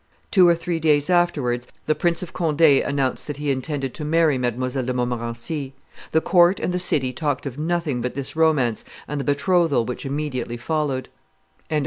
Two or three days afterwards the Prince of Conde, announced that he intended to marry Mdlle. de Montmorency. The court and the city talked of nothing but this romance and the betrothal which immediately followed. Henry IV.